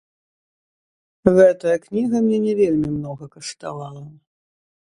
Гэтая кніга мне не вельмі многа каштавала.